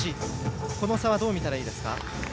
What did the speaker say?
この差はどう見たらいいですか？